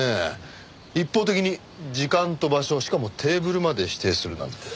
一方的に時間と場所しかもテーブルまで指定するなんて。